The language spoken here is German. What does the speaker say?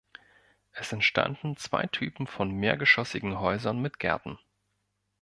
Es entstanden zwei Typen von mehrgeschossigen Häusern mit Gärten.